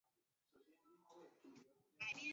四籽野豌豆是豆科蚕豆属的植物。